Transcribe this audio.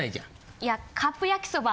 いやカップ焼きそば